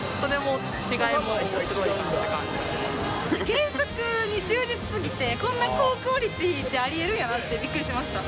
原作に忠実すぎてこんな高クオリティーってあり得るんやなってビックリしました。